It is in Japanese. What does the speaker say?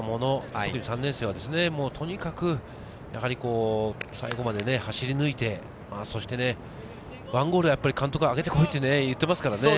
特に３年生は、とにかく最後まで走り抜いて１ゴール、監督は上げてこいって言っていますからね。